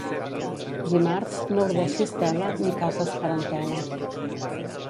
Dimarts, no ordeixis tela, ni cases parentela.